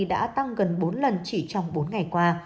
đã tăng gần bốn lần chỉ trong bốn ngày qua